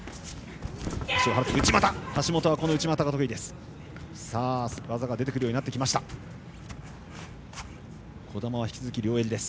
橋本は内股が得意です。